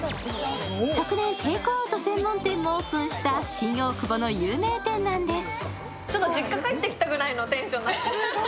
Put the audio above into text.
昨年テークアウト専門店もオープンした新大久保の有名店なんです。